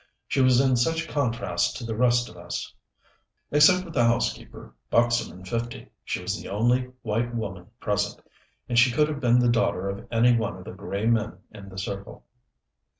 She was in such contrast to the rest of us. Except for the housekeeper, buxom and fifty, she was the only white woman present; and she could have been the daughter of any one of the gray men in the circle.